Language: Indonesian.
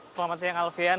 selamat siang alfian